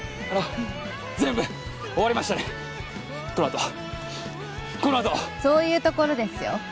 この後この後⁉そういうところですよ。